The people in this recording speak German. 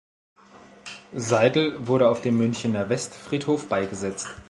Seidel wurde auf dem Münchner Westfriedhof beigesetzt.